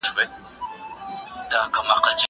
زه به سبا کتابونه لوستل کوم!!